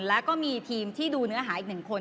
แล้วก็มีทีมที่ดูเนื้อหาอีกหนึ่งคน